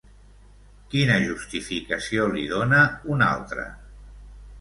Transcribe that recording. Quina justificació li dona un altre?